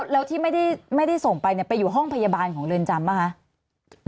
แล้วที่ไม่ได้ส่งไปไปอยู่ห้องพยาบาลของเรือนจำป่ะคะ